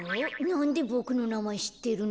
なんでボクのなまえしってるの？